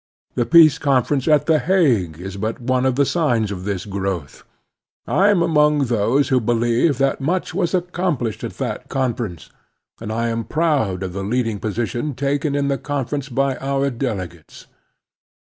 The Peace Conference at The Hague is but one of the signs of this growth. I am among those who believe that much was accomplished at that conference, and I am proud of the leading position taken in the conference by our delegates.